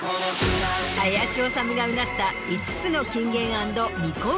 林修がうなった５つの。